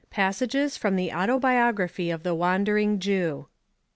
PASSAGES FROM THE AUTOBIOGRAPHY OF THE WANDERING JEW.